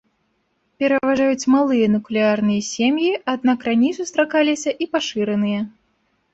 Пераважаюць малыя нуклеарныя сем'і, аднак раней сустракаліся і пашыраныя.